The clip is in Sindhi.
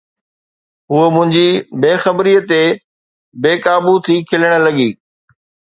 هوءَ منهنجي بي خبريءَ تي بي قابو ٿي کلڻ لڳي